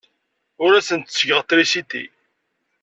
Ur asen-ttgeɣ trisiti.